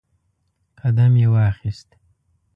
قدم یې واخیست